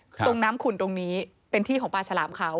ตรงน้ำขุ่นตรงนี้เป็นที่ของปลาฉลามเขา